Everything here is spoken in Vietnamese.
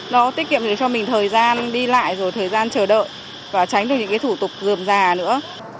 nó tiết kiệm được cho mình thời gian đi lại rồi thời gian chờ đợi và tránh được những cái thủ tục dườm già nữa